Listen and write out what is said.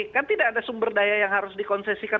kan tidak ada sumber daya yang harus dikonsesikan